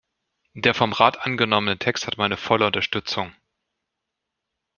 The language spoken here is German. Der vom Rat angenommene Text hatte meine volle Unterstützung.